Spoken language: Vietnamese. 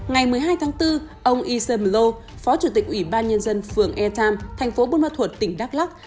ngày một mươi hai tháng bốn ông isam low phó chủ tịch ủy ban nhân dân phường airtown thành phố buôn hoa thuột tỉnh đắk lắk